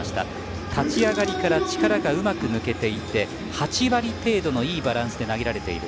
立ち上がりから力がうまく抜けていて８割程度のいいバランスで投げられている。